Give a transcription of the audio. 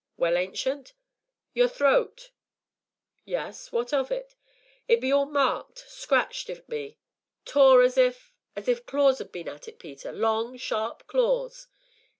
"Well, Ancient?" "Your throat !" "Yes what of it?" "It be all marked scratched it be tore, as if as if claws 'ad been at it, Peter, long sharp claws!"